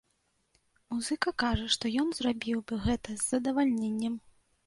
Музыка кажа, што ён зрабіў бы гэта з задавальненнем.